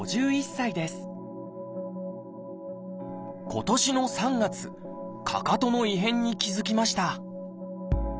今年の３月かかとの異変に気付きました。